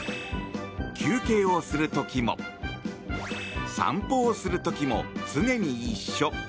休憩をする時も、散歩をする時も常に一緒。